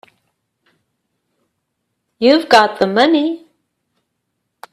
You've got the money.